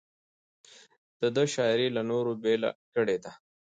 د ده شاعري له نورو بېله کړې ده.